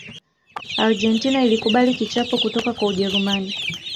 argentina ilikubali kichapo kutoka kwa ujerumani